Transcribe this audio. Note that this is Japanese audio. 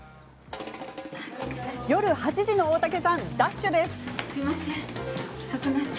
夜８時の大竹さんダッシュ。